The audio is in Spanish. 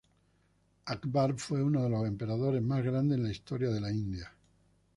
Akbar fue uno de los emperadores más grandes en la historia de la India.